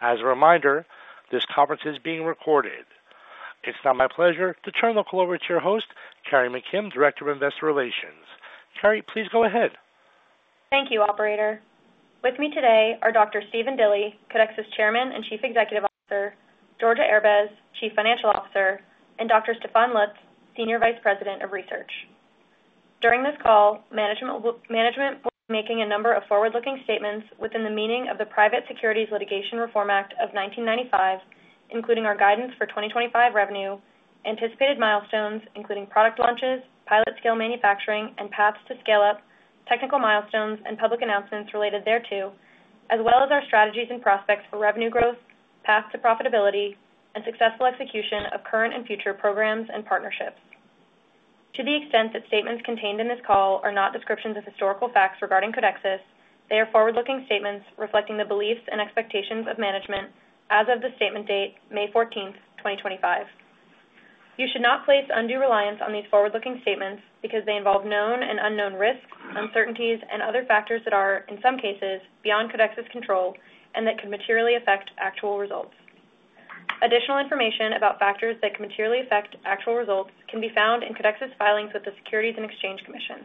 As a reminder, this conference is being recorded. It's now my pleasure to turn the call over to your host, Carrie McKim, Director of Investor Relations. Carrie, please go ahead. Thank you, Operator. With me today are Dr. Stephen Dilly, Codexis Chairman and Chief Executive Officer; Georgia Erbez, Chief Financial Officer; and Dr. Stefan Lutz, Senior Vice President of Research. During this call, management will be making a number of forward-looking statements within the meaning of the Private Securities Litigation Reform Act of 1995, including our guidance for 2025 revenue, anticipated milestones including product launches, pilot-scale manufacturing and paths to scale-up, technical milestones and public announcements related thereto, as well as our strategies and prospects for revenue growth, path to profitability, and successful execution of current and future programs and partnerships. To the extent that statements contained in this call are not descriptions of historical facts regarding Codexis, they are forward-looking statements reflecting the beliefs and expectations of management as of the statement date, May 14th, 2025. You should not place undue reliance on these forward-looking statements because they involve known and unknown risks, uncertainties, and other factors that are, in some cases, beyond Codexis' control and that could materially affect actual results. Additional information about factors that could materially affect actual results can be found in Codexis' filings with the Securities and Exchange Commission.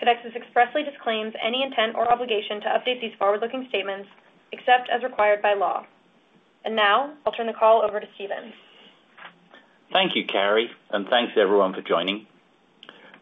Codexis expressly disclaims any intent or obligation to update these forward-looking statements except as required by law. Now, I'll turn the call over to Stephen. Thank you, Carrie, and thanks everyone for joining.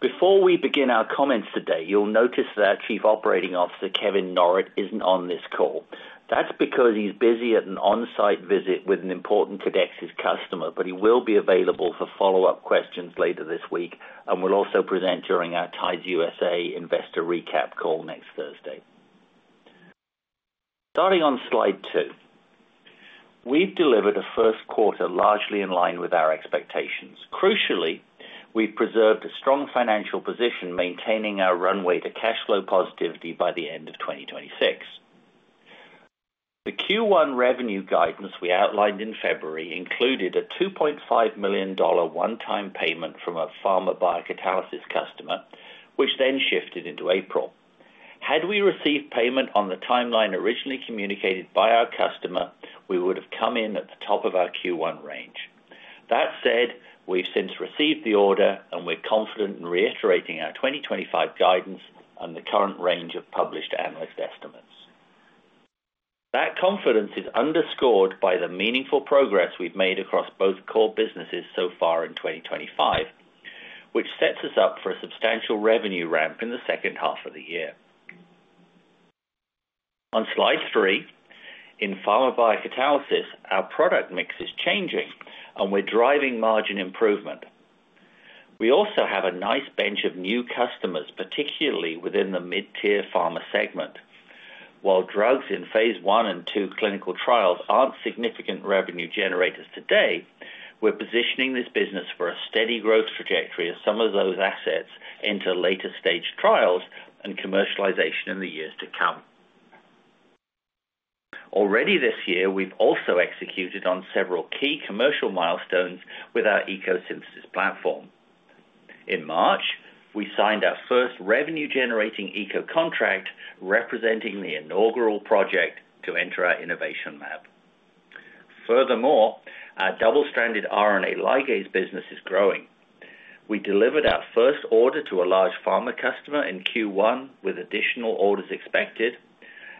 Before we begin our comments today, you'll notice that Chief Operating Officer Kevin Norrett isn't on this call. That's because he's busy at an on-site visit with an important Codexis customer, but he will be available for follow-up questions later this week and will also present during our Tides USA Investor Recap call next Thursday. Starting on slide two, we've delivered a first quarter largely in line with our expectations. Crucially, we've preserved a strong financial position, maintaining our runway to cash flow positivity by the end of 2026. The Q1 revenue guidance we outlined in February included a $2.5 million one-time payment from a Pharma Biocatalysis customer, which then shifted into April. Had we received payment on the timeline originally communicated by our customer, we would have come in at the top of our Q1 range. That said, we've since received the order, and we're confident in reiterating our 2025 guidance and the current range of published analyst estimates. That confidence is underscored by the meaningful progress we've made across both core businesses so far in 2025, which sets us up for a substantial revenue ramp in the second half of the year. On slide three, in Pharma Biocatalysis, our product mix is changing, and we're driving margin improvement. We also have a nice bench of new customers, particularly within the mid-tier pharma segment. While drugs in phase I and II clinical trials aren't significant revenue generators today, we're positioning this business for a steady growth trajectory as some of those assets enter later-stage trials and commercialization in the years to come. Already this year, we've also executed on several key commercial milestones with our ECO Synthesis platform. In March, we signed our first revenue-generating ECO contract, representing the inaugural project to enter our innovation lab. Furthermore, our double-stranded RNA ligase business is growing. We delivered our first order to a large pharma customer in Q1, with additional orders expected,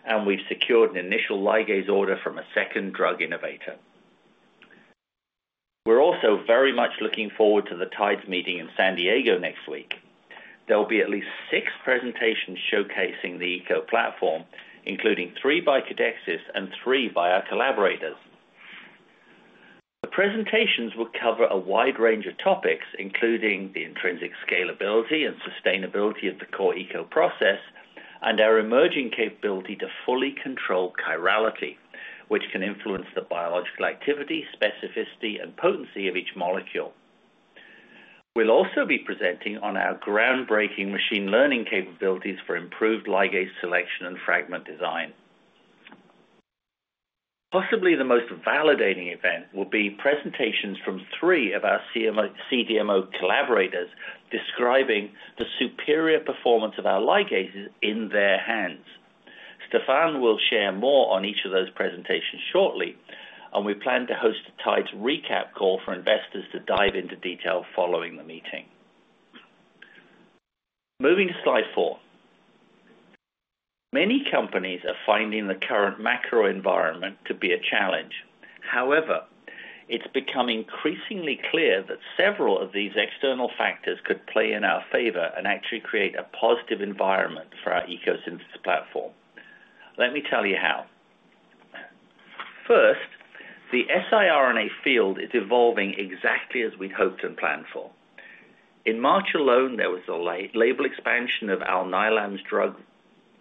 and we've secured an initial ligase order from a second drug innovator. We're also very much looking forward to the Tides meeting in San Diego next week. There'll be at least six presentations showcasing the ECO platform, including three by Codexis and three by our collaborators. The presentations will cover a wide range of topics, including the intrinsic scalability and sustainability of the core ECO process and our emerging capability to fully control chirality, which can influence the biological activity, specificity, and potency of each molecule. We'll also be presenting on our groundbreaking machine learning capabilities for improved ligase selection and fragment design. Possibly the most validating event will be presentations from three of our CDMO collaborators describing the superior performance of our ligases in their hands. Stefan will share more on each of those presentations shortly, and we plan to host a Tides recap call for investors to dive into detail following the meeting. Moving to slide four, many companies are finding the current macro environment to be a challenge. However, it has become increasingly clear that several of these external factors could play in our favor and actually create a positive environment for our ECO Synthesis platform. Let me tell you how. First, the siRNA field is evolving exactly as we had hoped and planned for. In March alone, there was a label expansion of Alnylam's drug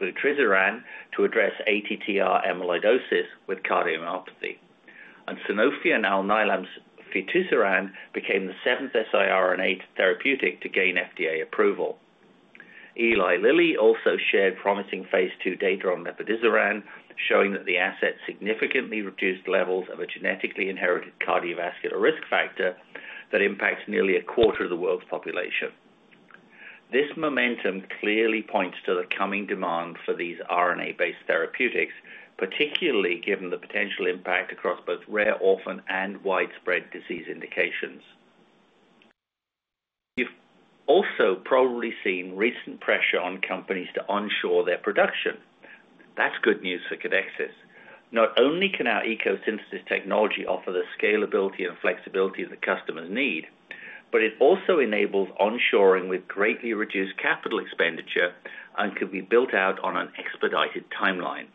vutrisiran to address ATTR amyloidosis with cardiomyopathy. Sanofi and Alnylam's vutrisiran became the seventh siRNA therapeutic to gain FDA approval. Eli Lilly also shared promising phase two data on mivelsiran, showing that the asset significantly reduced levels of a genetically inherited cardiovascular risk factor that impacts nearly a quarter of the world's population. This momentum clearly points to the coming demand for these RNA-based therapeutics, particularly given the potential impact across both rare, often, and widespread disease indications. You've also probably seen recent pressure on companies to onshore their production. That's good news for Codexis. Not only can our ECO Synthesis technology offer the scalability and flexibility that customers need, but it also enables onshoring with greatly reduced capital expenditure and could be built out on an expedited timeline.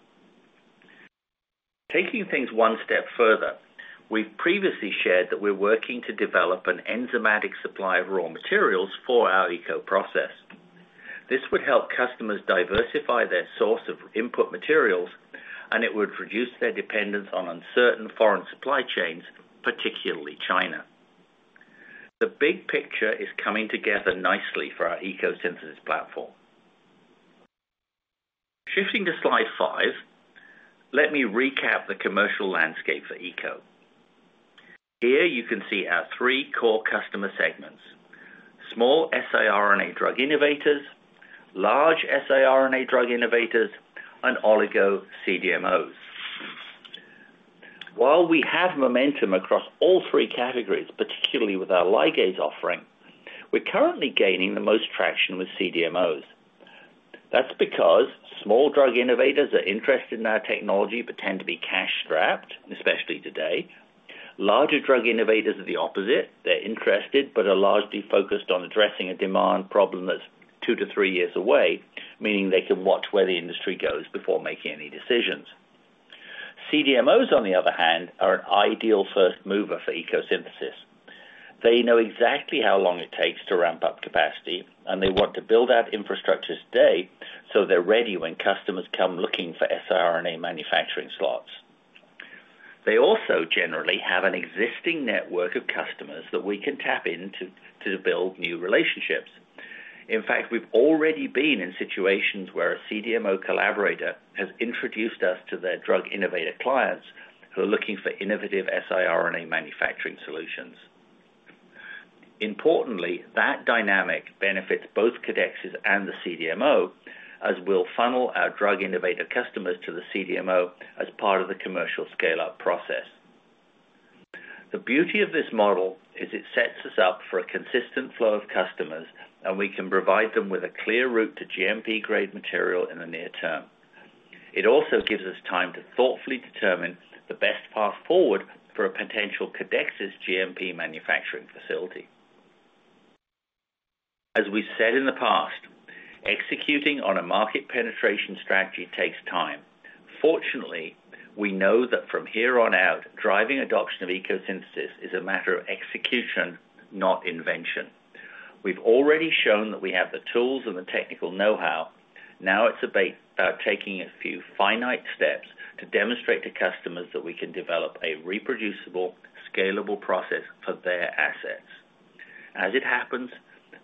Taking things one step further, we've previously shared that we're working to develop an enzymatic supply of raw materials for our ECO process. This would help customers diversify their source of input materials, and it would reduce their dependence on uncertain foreign supply chains, particularly China. The big picture is coming together nicely for our ECO Synthesis platform. Shifting to slide five, let me recap the commercial landscape for ECO. Here you can see our three core customer segments: small siRNA drug innovators, large siRNA drug innovators, and oligo CDMOs. While we have momentum across all three categories, particularly with our ligase offering, we're currently gaining the most traction with CDMOs. That's because small drug innovators are interested in our technology but tend to be cash-strapped, especially today. Larger drug innovators are the opposite. They're interested but are largely focused on addressing a demand problem that's two to three years away, meaning they can watch where the industry goes before making any decisions. CDMOs, on the other hand, are an ideal first mover for ECO Synthesis. They know exactly how long it takes to ramp up capacity, and they want to build out infrastructures today so they are ready when customers come looking for siRNA manufacturing slots. They also generally have an existing network of customers that we can tap into to build new relationships. In fact, we have already been in situations where a CDMO collaborator has introduced us to their drug innovator clients who are looking for innovative siRNA manufacturing solutions. Importantly, that dynamic benefits both Codexis and the CDMO, as we will funnel our drug innovator customers to the CDMO as part of the commercial scale-up process. The beauty of this model is it sets us up for a consistent flow of customers, and we can provide them with a clear route to GMP-grade material in the near term. It also gives us time to thoughtfully determine the best path forward for a potential Codexis GMP manufacturing facility. As we've said in the past, executing on a market penetration strategy takes time. Fortunately, we know that from here on out, driving adoption of ECO Synthesis is a matter of execution, not invention. We've already shown that we have the tools and the technical know-how. Now it's about taking a few finite steps to demonstrate to customers that we can develop a reproducible, scalable process for their assets. As it happens,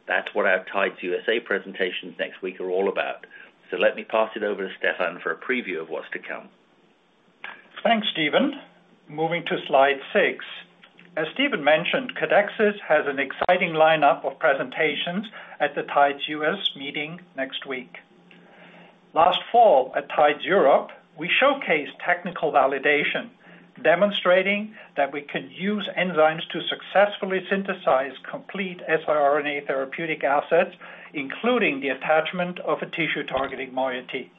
that's what our Tides USA presentations next week are all about. Let me pass it over to Stefan for a preview of what's to come. Thanks, Stephen. Moving to slide six. As Stephen mentioned, Codexis has an exciting lineup of presentations at the Tides US meeting next week. Last fall at Tides Europe, we showcased technical validation, demonstrating that we can use enzymes to successfully synthesize complete siRNA therapeutic assets, including the attachment of a tissue-targeting moiety.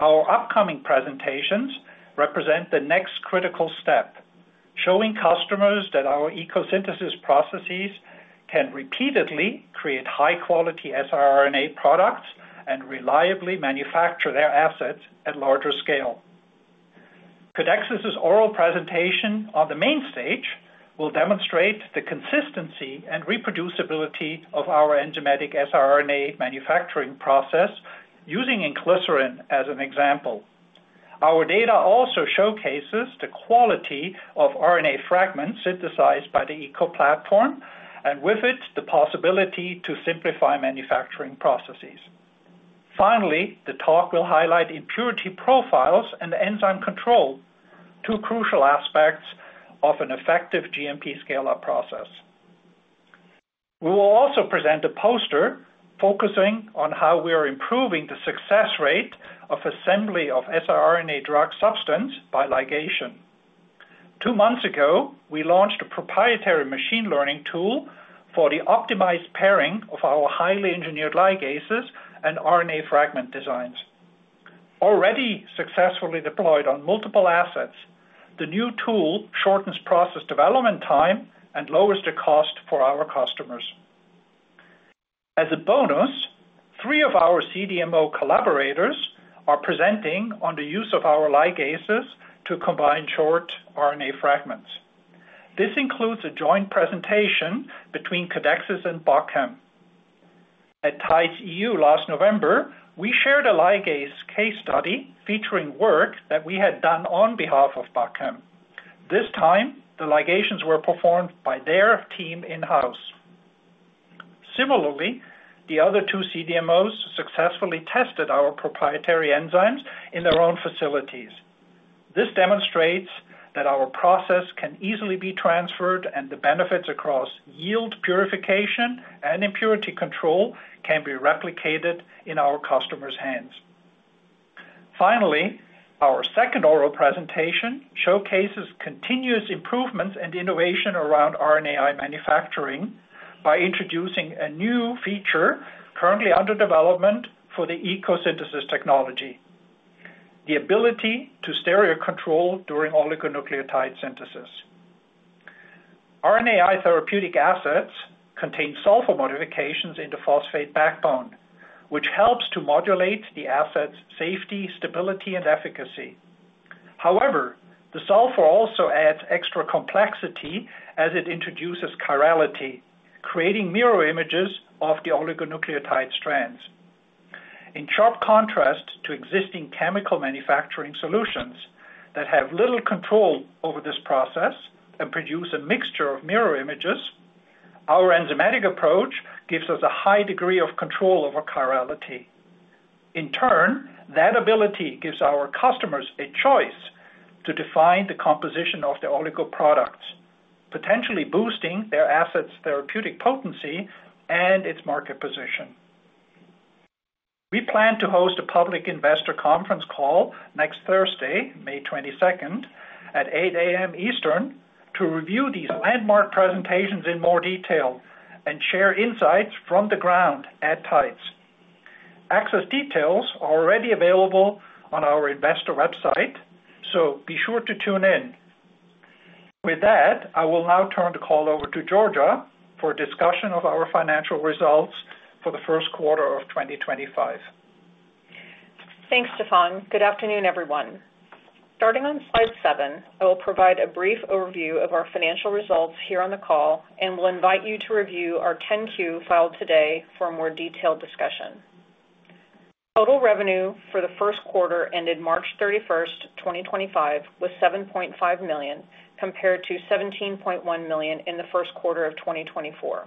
Our upcoming presentations represent the next critical step, showing customers that our ECO Synthesis processes can repeatedly create high-quality siRNA products and reliably manufacture their assets at larger scale. Codexis' oral presentation on the main stage will demonstrate the consistency and reproducibility of our enzymatic siRNA manufacturing process, using inclisiran as an example. Our data also showcases the quality of RNA fragments synthesized by the ECO platform, and with it, the possibility to simplify manufacturing processes. Finally, the talk will highlight impurity profiles and enzyme control, two crucial aspects of an effective GMP scale-up process. We will also present a poster focusing on how we are improving the success rate of assembly of siRNA drug substance by ligation. Two months ago, we launched a proprietary machine learning tool for the optimized pairing of our highly engineered ligases and RNA fragment designs. Already successfully deployed on multiple assets, the new tool shortens process development time and lowers the cost for our customers. As a bonus, three of our CDMO collaborators are presenting on the use of our ligases to combine short RNA fragments. This includes a joint presentation between Codexis and Bachem. At Tides EU last November, we shared a ligase case study featuring work that we had done on behalf of Bachem. This time, the ligations were performed by their team in-house. Similarly, the other two CDMOs successfully tested our proprietary enzymes in their own facilities. This demonstrates that our process can easily be transferred, and the benefits across yield, purification, and impurity control can be replicated in our customers' hands. Finally, our second oral presentation showcases continuous improvements and innovation around RNAi manufacturing by introducing a new feature currently under development for the ECO Synthesis technology: the ability to stereo control during oligonucleotide synthesis. RNAi therapeutic assets contain sulfur modifications in the phosphate backbone, which helps to modulate the asset's safety, stability, and efficacy. However, the sulfur also adds extra complexity as it introduces chirality, creating mirror images of the oligonucleotide strands. In sharp contrast to existing chemical manufacturing solutions that have little control over this process and produce a mixture of mirror images, our enzymatic approach gives us a high degree of control over chirality. In turn, that ability gives our customers a choice to define the composition of their oligo products, potentially boosting their asset's therapeutic potency and its market position. We plan to host a public investor conference call next Thursday, May 22nd, at 8:00 A.M. Eastern, to review these landmark presentations in more detail and share insights from the ground at Tides. Access details are already available on our investor website, so be sure to tune in. With that, I will now turn the call over to Georgia for discussion of our financial results for the first quarter of 2025. Thanks, Stefan. Good afternoon, everyone. Starting on slide seven, I will provide a brief overview of our financial results here on the call and will invite you to review our 10Q filed today for a more detailed discussion. Total revenue for the first quarter ended March 31st, 2025, was $7.5 million, compared to $17.1 million in the first quarter of 2024.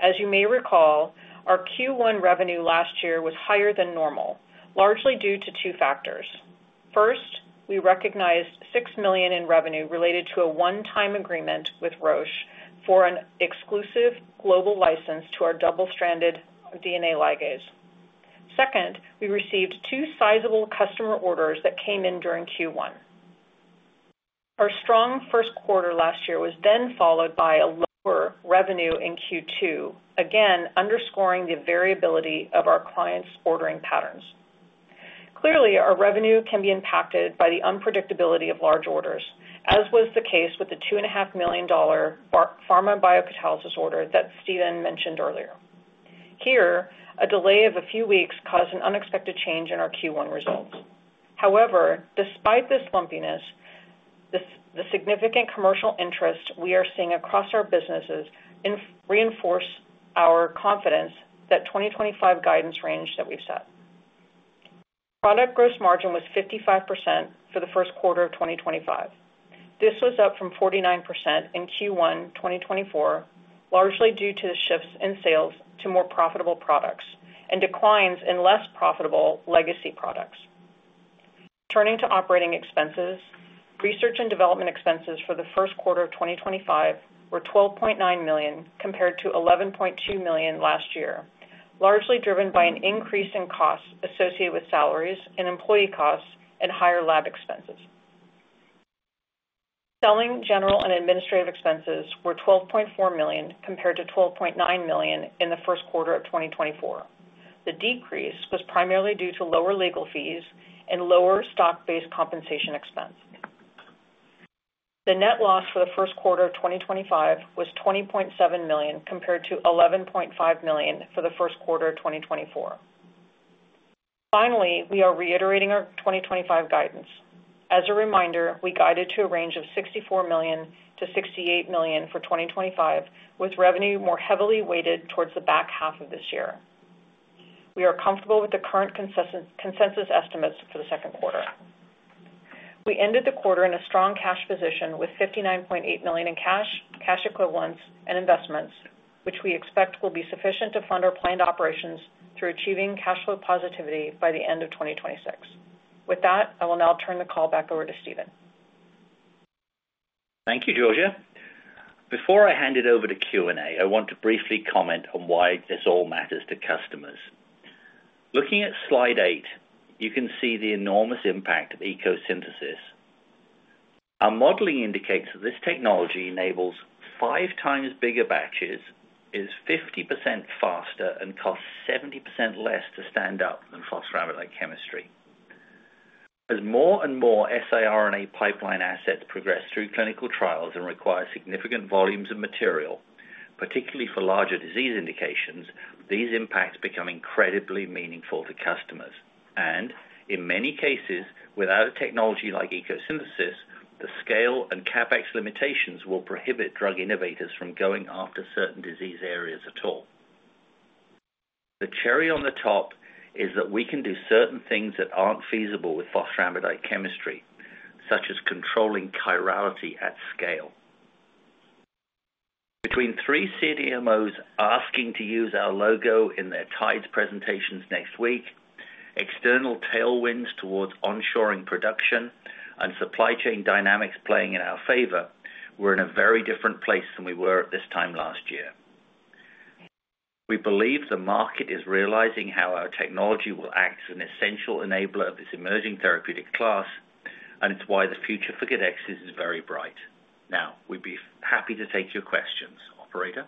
As you may recall, our Q1 revenue last year was higher than normal, largely due to two factors. First, we recognized $6 million in revenue related to a one-time agreement with Roche for an exclusive global license to our double-stranded DNA ligase. Second, we received two sizable customer orders that came in during Q1. Our strong first quarter last year was then followed by a lower revenue in Q2, again underscoring the variability of our clients' ordering patterns. Clearly, our revenue can be impacted by the unpredictability of large orders, as was the case with the $2.5 million Pharma Biocatalysis order that Stephen mentioned earlier. Here, a delay of a few weeks caused an unexpected change in our Q1 results. However, despite this lumpiness, the significant commercial interest we are seeing across our businesses reinforced our confidence in the 2025 guidance range that we've set. Product gross margin was 55% for the first quarter of 2025. This was up from 49% in Q1 2024, largely due to the shifts in sales to more profitable products and declines in less profitable legacy products. Turning to operating expenses, research and development expenses for the first quarter of 2025 were $12.9 million, compared to $11.2 million last year, largely driven by an increase in costs associated with salaries and employee costs and higher lab expenses. Selling, general and administrative expenses were $12.4 million, compared to $12.9 million in the first quarter of 2024. The decrease was primarily due to lower legal fees and lower stock-based compensation expense. The net loss for the first quarter of 2025 was $20.7 million, compared to $11.5 million for the first quarter of 2024. Finally, we are reiterating our 2025 guidance. As a reminder, we guided to a range of $64 million-$68 million for 2025, with revenue more heavily weighted towards the back half of this year. We are comfortable with the current consensus estimates for the second quarter. We ended the quarter in a strong cash position with $59.8 million in cash, cash equivalents, and investments, which we expect will be sufficient to fund our planned operations through achieving cash flow positivity by the end of 2026. With that, I will now turn the call back over to Stephen. Thank you, Georgia. Before I hand it over to Q&A, I want to briefly comment on why this all matters to customers. Looking at slide eight, you can see the enormous impact of ECO Synthesis. Our modeling indicates that this technology enables five times bigger batches, is 50% faster, and costs 70% less to stand up than phosphoramidite chemistry. As more and more siRNA pipeline assets progress through clinical trials and require significant volumes of material, particularly for larger disease indications, these impacts become incredibly meaningful to customers. In many cases, without a technology like ECO Synthesis, the scale and CapEx limitations will prohibit drug innovators from going after certain disease areas at all. The cherry on the top is that we can do certain things that are not feasible with phosphoramidite chemistry, such as controlling chirality at scale. Between three CDMOs asking to use our logo in their Tides presentations next week, external tailwinds towards onshoring production, and supply chain dynamics playing in our favor, we're in a very different place than we were at this time last year. We believe the market is realizing how our technology will act as an essential enabler of this emerging therapeutic class, and it's why the future for Codexis is very bright. Now, we'd be happy to take your questions, operator.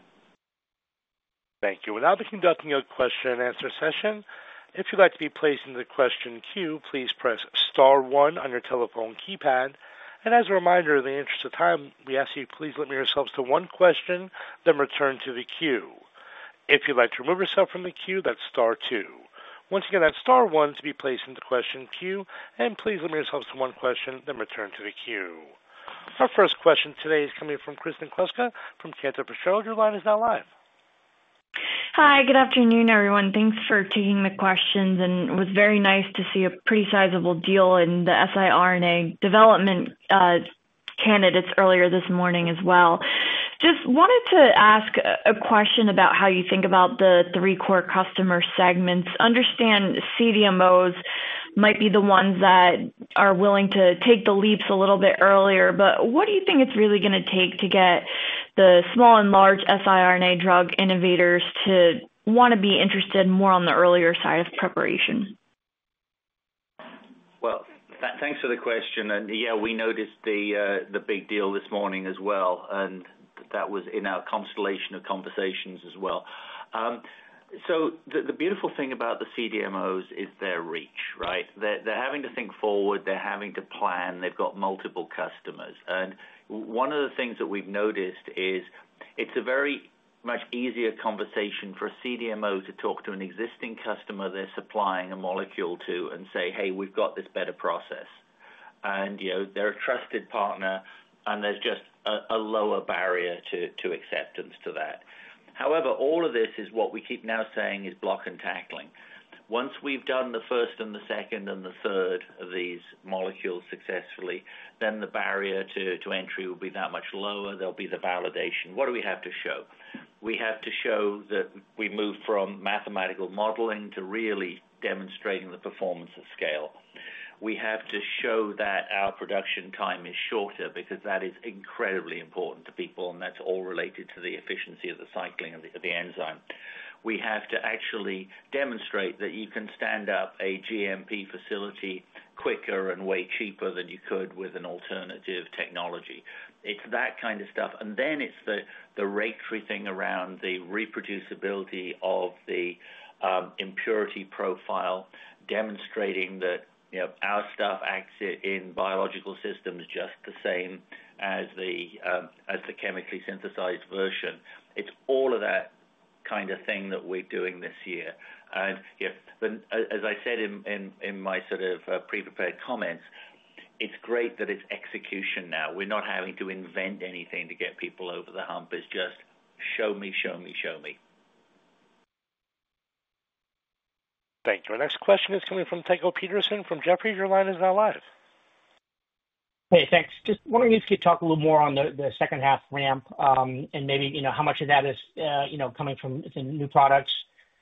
Thank you. We'll now be conducting a question-and-answer session. If you'd like to be placed in the question queue, please press star one on your telephone keypad. In the interest of time, we ask you to please limit yourselves to one question, then return to the queue. If you'd like to remove yourself from the queue, that's star two. Once again, that's star one to be placed in the question queue, and please limit yourselves to one question, then return to the queue. Our first question today is coming from Kristen Kluska from Cantor Fitzgerald. Your line is now live. Hi, good afternoon, everyone. Thanks for taking the questions. It was very nice to see a pretty sizable deal in the siRNA development candidates earlier this morning as well. I just wanted to ask a question about how you think about the three-core customer segments. I understand CDMOs might be the ones that are willing to take the leaps a little bit earlier, but what do you think it's really going to take to get the small and large siRNA drug innovators to want to be interested more on the earlier side of preparation? Thanks for the question. Yeah, we noticed the big deal this morning as well, and that was in our constellation of conversations as well. The beautiful thing about the CDMOs is their reach, right? They're having to think forward. They're having to plan. They've got multiple customers. One of the things that we've noticed is it's a very much easier conversation for a CDMO to talk to an existing customer they're supplying a molecule to and say, "Hey, we've got this better process." They're a trusted partner, and there's just a lower barrier to acceptance to that. However, all of this is what we keep now saying is block and tackling. Once we've done the first and the second and the third of these molecules successfully, then the barrier to entry will be that much lower. There'll be the validation. What do we have to show? We have to show that we moved from mathematical modeling to really demonstrating the performance of scale. We have to show that our production time is shorter because that is incredibly important to people, and that's all related to the efficiency of the cycling of the enzyme. We have to actually demonstrate that you can stand up a GMP facility quicker and way cheaper than you could with an alternative technology. It's that kind of stuff. It is the rickery thing around the reproducibility of the impurity profile, demonstrating that our stuff acts in biological systems just the same as the chemically synthesized version. It's all of that kind of thing that we're doing this year. As I said in my sort of pre-prepared comments, it's great that it's execution now. We're not having to invent anything to get people over the hump. It's just show me, show me, show me. Thank you. Our next question is coming from Tycho Peterson from JPMorgan. Your line is now live. Hey, thanks. Just wondering if you could talk a little more on the second-half ramp and maybe how much of that is coming from the new products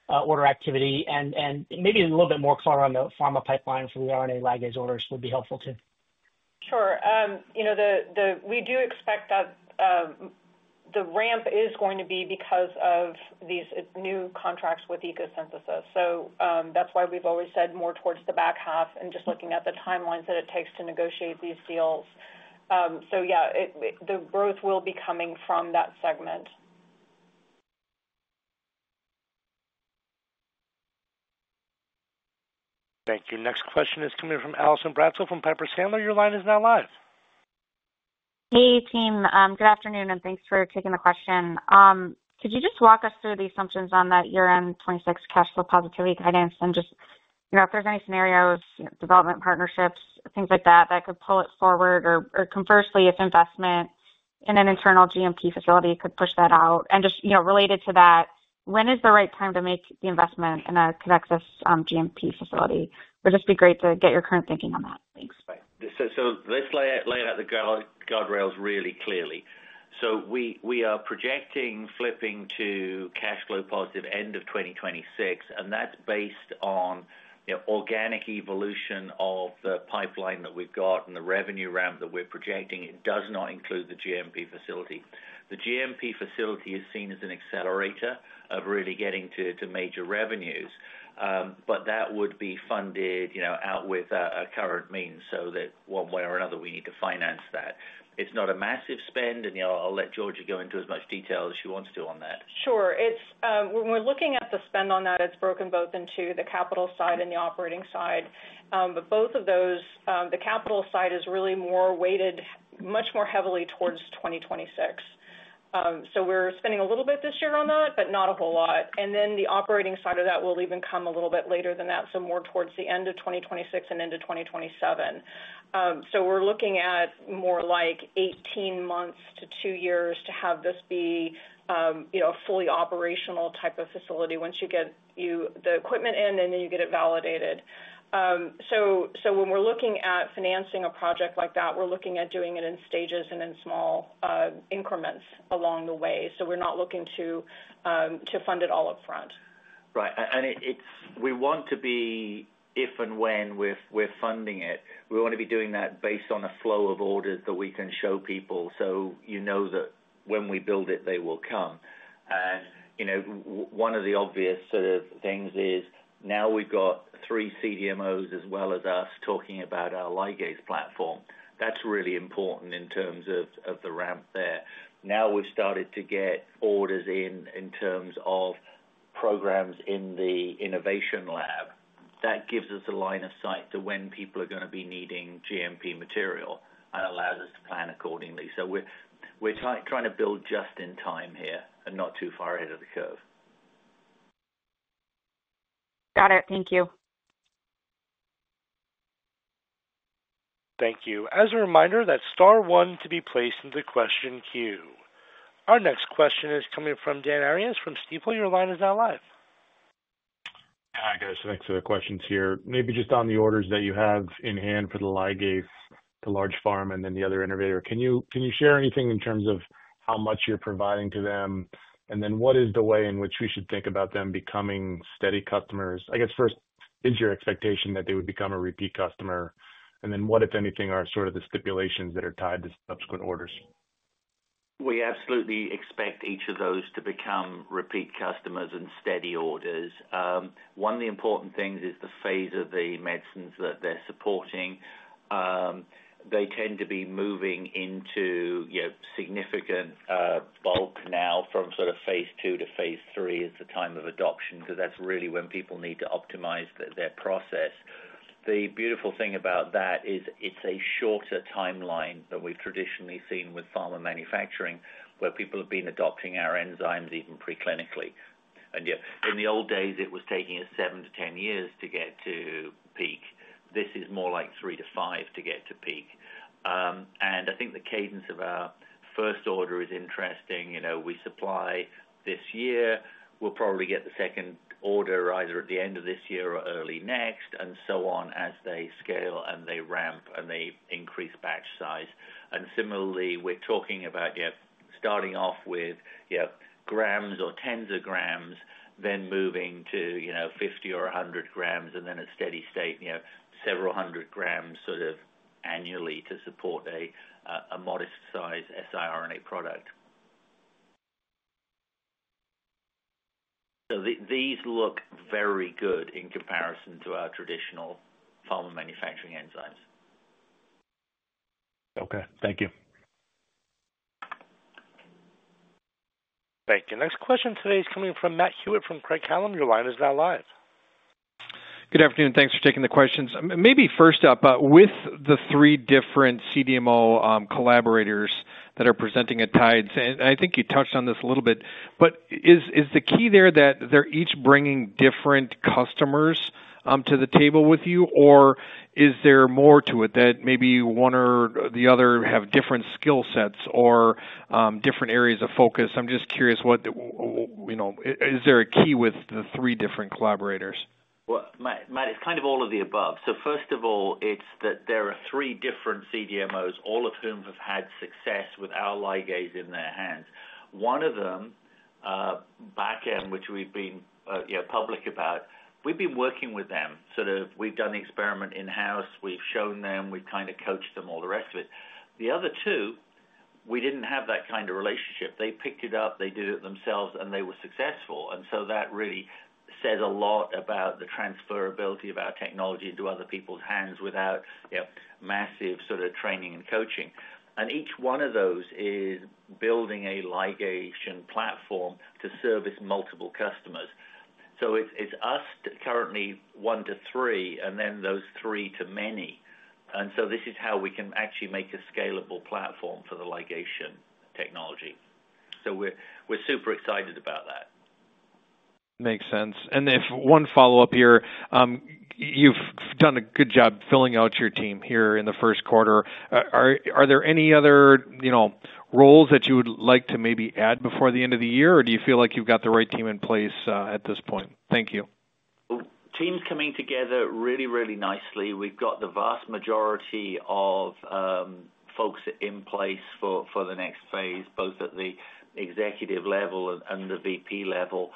order activity and maybe a little bit more color on the pharma pipeline for the RNA ligase orders would be helpful too? Sure. We do expect that the ramp is going to be because of these new contracts with ECO Synthesis. That is why we have always said more towards the back half and just looking at the timelines that it takes to negotiate these deals. Yeah, the growth will be coming from that segment. Thank you. Next question is coming from Allison Bratzel from Piper Sandler. Your line is now live. Hey, team. Good afternoon, and thanks for taking the question. Could you just walk us through the assumptions on that 2026 cash flow positivity guidance and just if there's any scenarios, development partnerships, things like that that could pull it forward or conversely, if investment in an internal GMP facility could push that out? Just related to that, when is the right time to make the investment in a Codexis GMP facility? It would just be great to get your current thinking on that. Thanks. Let's lay out the guardrails really clearly. We are projecting flipping to cash flow positive end of 2026, and that's based on organic evolution of the pipeline that we've got and the revenue ramp that we're projecting. It does not include the GMP facility. The GMP facility is seen as an accelerator of really getting to major revenues, but that would be funded out with a current means so that one way or another, we need to finance that. It's not a massive spend, and I'll let Georgia go into as much detail as she wants to on that. Sure. When we're looking at the spend on that, it's broken both into the capital side and the operating side. Both of those, the capital side is really more weighted much more heavily towards 2026. We're spending a little bit this year on that, but not a whole lot. The operating side of that will even come a little bit later than that, more towards the end of 2026 and into 2027. We're looking at more like 18 months to two years to have this be a fully operational type of facility once you get the equipment in and then you get it validated. When we're looking at financing a project like that, we're looking at doing it in stages and in small increments along the way. We're not looking to fund it all upfront. Right. We want to be, if and when we're funding it, we want to be doing that based on a flow of orders that we can show people, so you know that when we build it, they will come. One of the obvious sort of things is now we've got three CDMOs as well as us talking about our ligase platform. That's really important in terms of the ramp there. Now we've started to get orders in in terms of programs in the innovation lab. That gives us a line of sight to when people are going to be needing GMP material and allows us to plan accordingly. We're trying to build just in time here and not too far ahead of the curve. Got it. Thank you. Thank you. As a reminder, that's star one to be placed in the question queue. Our next question is coming from Dan Arias from Stifel. Your line is now live. Hi, guys. Thanks for the questions here. Maybe just on the orders that you have in hand for the ligase, the large pharma, and then the other innovator. Can you share anything in terms of how much you're providing to them? What is the way in which we should think about them becoming steady customers? I guess first, is your expectation that they would become a repeat customer? What, if anything, are sort of the stipulations that are tied to subsequent orders? We absolutely expect each of those to become repeat customers and steady orders. One of the important things is the phase of the medicines that they're supporting. They tend to be moving into significant bulk now from sort of phase two to phase three is the time of adoption because that's really when people need to optimize their process. The beautiful thing about that is it's a shorter timeline than we've traditionally seen with pharma manufacturing where people have been adopting our enzymes even pre-clinically. In the old days, it was taking us 7-10 years to get to peak. This is more like three-five to get to peak. I think the cadence of our first order is interesting. We supply this year. We'll probably get the second order either at the end of this year or early next and so on as they scale and they ramp and they increase batch size. Similarly, we're talking about starting off with grams or tens of grams, then moving to 50 or 100 grams, and then a steady state, several hundred grams sort of annually to support a modest-sized siRNA product. These look very good in comparison to our traditional pharma manufacturing enzymes. Okay. Thank you. Thank you. Next question today is coming from Matt Hewitt from Craig-Hallum. Your line is now live. Good afternoon. Thanks for taking the questions. Maybe first up, with the three different CDMO collaborators that are presenting at Tides, and I think you touched on this a little bit, but is the key there that they're each bringing different customers to the table with you, or is there more to it that maybe one or the other have different skill sets or different areas of focus? I'm just curious, is there a key with the three different collaborators? Matt, it's kind of all of the above. First of all, it's that there are three different CDMOs, all of whom have had success with our ligase in their hands. One of them, Bachem, which we've been public about, we've been working with them. Sort of we've done the experiment in-house. We've shown them. We've kind of coached them, all the rest of it. The other two, we didn't have that kind of relationship. They picked it up. They did it themselves, and they were successful. That really says a lot about the transferability of our technology into other people's hands without massive sort of training and coaching. Each one of those is building a ligation platform to service multiple customers. It's us currently one to three, and then those three to many. This is how we can actually make a scalable platform for the ligation technology. We are super excited about that. Makes sense. If one follow-up here, you've done a good job filling out your team here in the first quarter. Are there any other roles that you would like to maybe add before the end of the year, or do you feel like you've got the right team in place at this point? Thank you. Teams coming together really, really nicely. We've got the vast majority of folks in place for the next phase, both at the executive level and the VP level.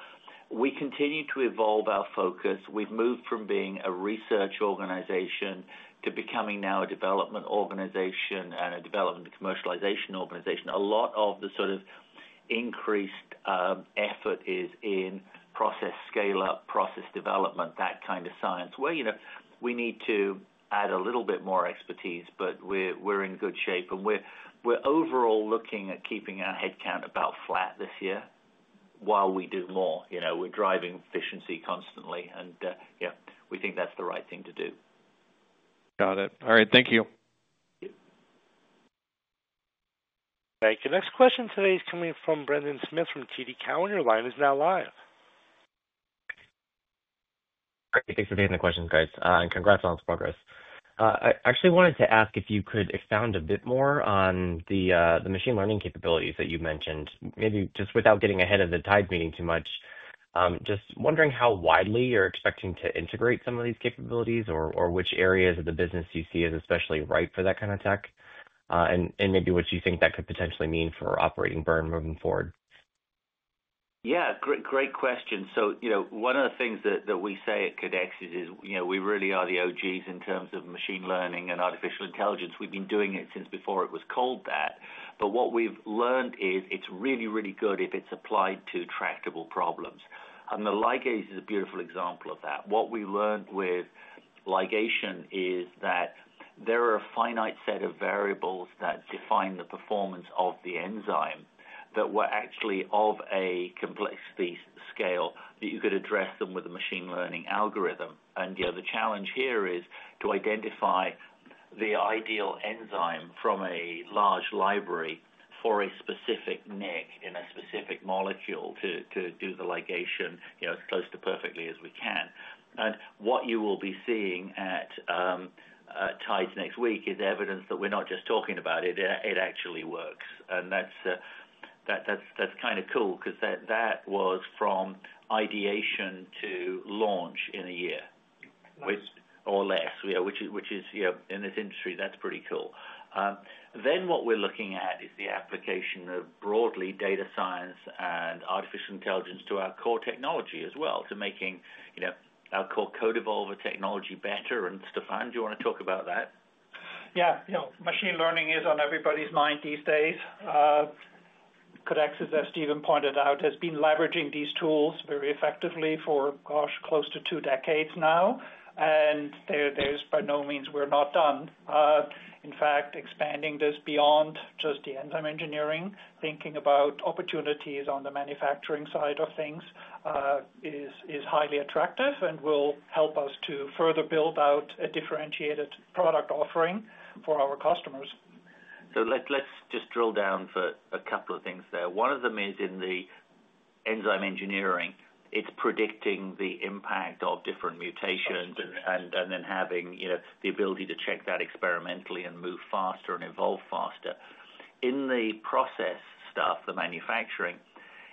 We continue to evolve our focus. We've moved from being a research organization to becoming now a development organization and a development commercialization organization. A lot of the sort of increased effort is in process scale-up, process development, that kind of science where we need to add a little bit more expertise, but we're in good shape. We're overall looking at keeping our headcount about flat this year while we do more. We're driving efficiency constantly, and yeah, we think that's the right thing to do. Got it. All right. Thank you. Thank you. Next question today is coming from Brendan Smith from TD Cowen. Your line is now live. Great. Thanks for taking the question, guys. And congrats on the progress. I actually wanted to ask if you could expound a bit more on the machine learning capabilities that you mentioned, maybe just without getting ahead of the Tides meeting too much. Just wondering how widely you're expecting to integrate some of these capabilities or which areas of the business you see as especially ripe for that kind of tech and maybe what you think that could potentially mean for operating burn moving forward? Yeah. Great question. One of the things that we say at Codexis is we really are the OGs in terms of machine learning and artificial intelligence. We've been doing it since before it was called that. What we've learned is it's really, really good if it's applied to tractable problems. The ligase is a beautiful example of that. What we learned with ligation is that there are a finite set of variables that define the performance of the enzyme that were actually of a complexity scale that you could address them with a machine learning algorithm. The challenge here is to identify the ideal enzyme from a large library for a specific nick in a specific molecule to do the ligation as close to perfectly as we can. What you will be seeing at Tides next week is evidence that we're not just talking about it. It actually works. That's kind of cool because that was from ideation to launch in a year or less, which is, in this industry, pretty cool. What we're looking at is the application of broadly data science and artificial intelligence to our core technology as well, to making our core Code Evolver technology better. Stefan, do you want to talk about that? Yeah. Machine learning is on everybody's mind these days. Codexis, as Stephen pointed out, has been leveraging these tools very effectively for, gosh, close to two decades now. There is by no means we're not done. In fact, expanding this beyond just the enzyme engineering, thinking about opportunities on the manufacturing side of things is highly attractive and will help us to further build out a differentiated product offering for our customers. Let's just drill down for a couple of things there. One of them is in the enzyme engineering. It's predicting the impact of different mutations and then having the ability to check that experimentally and move faster and evolve faster. In the process stuff, the manufacturing,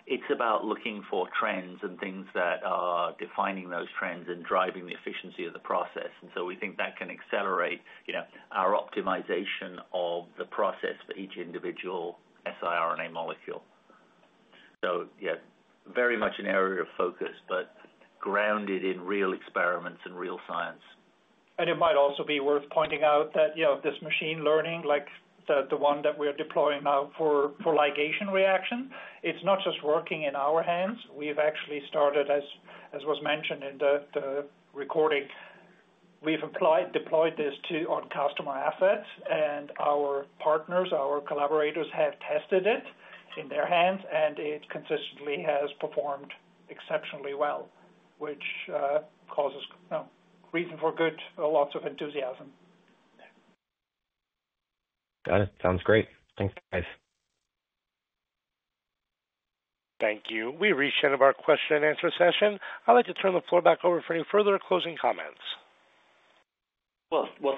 it's about looking for trends and things that are defining those trends and driving the efficiency of the process. We think that can accelerate our optimization of the process for each individual siRNA molecule. Yeah, very much an area of focus, but grounded in real experiments and real science. It might also be worth pointing out that this machine learning, like the one that we're deploying now for ligation reaction, it's not just working in our hands. We've actually started, as was mentioned in the recording, we've deployed this to our customer assets, and our partners, our collaborators have tested it in their hands, and it consistently has performed exceptionally well, which causes reason for good, lots of enthusiasm. Got it. Sounds great. Thanks, guys. Thank you. We reached the end of our question and answer session. I'd like to turn the floor back over for any further closing comments.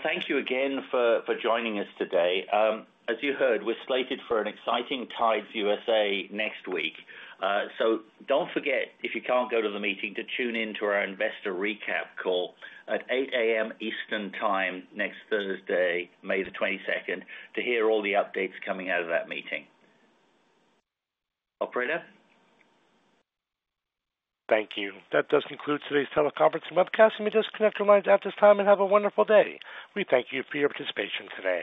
Thank you again for joining us today. As you heard, we're slated for an exciting Tides USA next week. Do not forget, if you cannot go to the meeting, to tune in to our investor recap call at 8:00 A.M. Eastern Time next Thursday, May the 22nd, to hear all the updates coming out of that meeting. Operator? Thank you. That does conclude today's teleconference and webcast. Let me just disconnect your lines at this time and have a wonderful day. We thank you for your participation today.